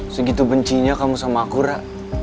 segitu bencinya kamu sama aku rak